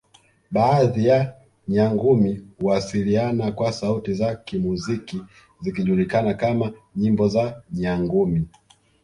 Baadhi ya Nyangumi huwasiliana kwa sauti za kimuziki zikijulikana kama nyimbo za Nyangumi